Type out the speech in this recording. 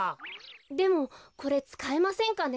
でもこれつかえませんかね。